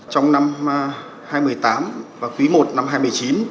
trong năm hai nghìn một mươi tám và quý i năm hai nghìn một mươi chín